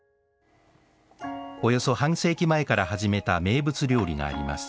およそ半世紀前から始めた名物料理があります